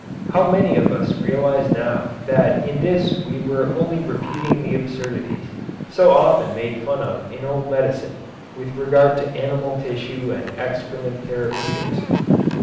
How many of us realize now that in this we were only repeating the absurdities, so often made fun of in old medicine, with regard to animal tissue and excrement therapeutics?